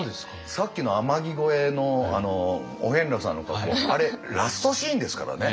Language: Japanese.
さっきの「天城越え」のお遍路さんのとこあれラストシーンですからね。